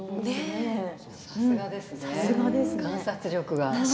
さすがですね、観察力が。